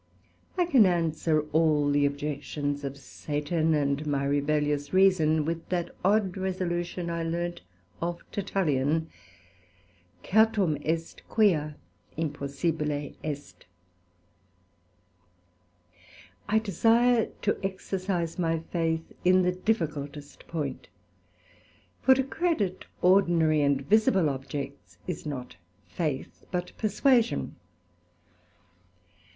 I can answer all the Objections of Satan and my rebellious reason with that odd resolution I learned of Tertullian, Certum est quia impossibile est. I desire to exercise my faith in the difficultest point; for to credit ordinary and visible objects is not faith, but perswasion.